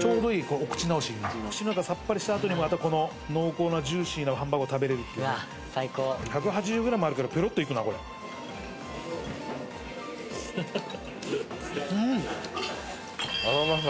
ちょうどいいお口直しにお口の中サッパリしたあとにまたこの濃厚なジューシーなハンバーグを食べれる１８０ｇあるけどペロッといくなこれうんっ食べました